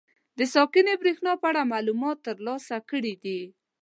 د ساکنې برېښنا په اړه معلومات تر لاسه کړي دي.